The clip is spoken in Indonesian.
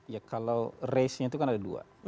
ya kalau race nya itu kan ada dua